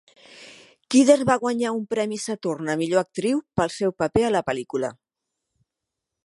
Kidder va guanyar un premi Saturn a millor actriu pel seu paper a la pel·lícula.